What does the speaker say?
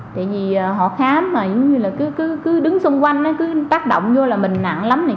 tại vì họ khám mà cứ đứng xung quanh cứ tác động vô là mình nặng lắm